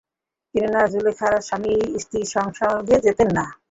কেননা, যুলায়খার স্বামী স্ত্রী সংসর্গে যেতেন না।